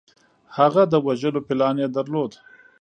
هغه د وژلو پلان یې درلود